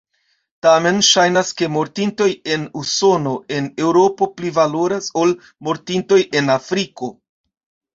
Tamen ŝajnas, ke mortintoj en Usono, en Eŭropo pli valoras ol mortintoj en Afriko.